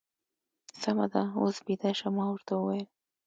سمه ده، اوس بېده شه. ما ورته وویل.